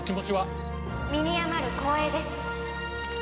身に余る光栄です。